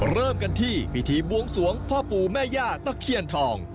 เริ่มกันที่พิธีบวงสวงพ่อปู่แม่ย่าตะเคียนทอง